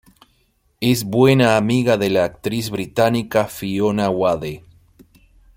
Es buena amiga de la actriz británica Fiona Wade.